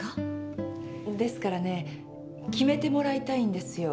ですからね決めてもらいたいんですよ。